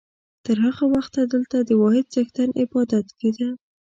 تر هغه وخته دلته د واحد څښتن عبادت کېده.